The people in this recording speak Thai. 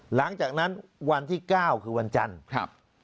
หลังจากนั้นวันที่๙คือวันจันทร์